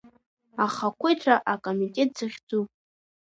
Ахақәиҭра акомитет захьӡу.